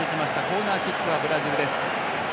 コーナーキックはブラジルです。